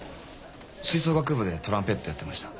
吹奏楽部でトランペットやってました。